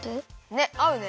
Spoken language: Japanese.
ねっあうね。